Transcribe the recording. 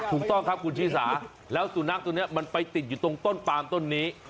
ถูกต้องครับคุณชิสาแล้วสุนัขตัวนี้มันไปติดอยู่ตรงต้นปามต้นนี้